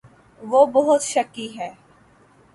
وہ بہت شکی ہے۔